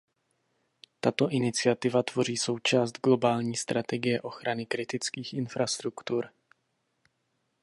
Tato iniciativa tvoří součást globální strategie ochrany kritických infrastruktur.